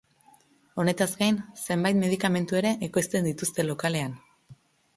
Honetaz gain, zenbait medikamentu ere ekoizten dituzte lokalean.